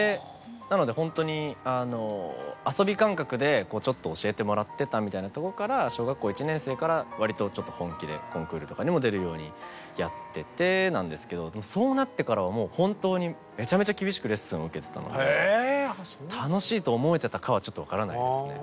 なのでほんとに遊び感覚でちょっと教えてもらってたみたいなとこから小学校１年生から割とちょっと本気でコンクールとかにも出るようにやっててなんですけどそうなってからは本当にめちゃめちゃ厳しくレッスンを受けてたので楽しいと思えてたかはちょっと分からないですね。